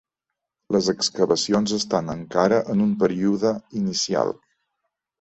Les excavacions estan encara en un període inicial.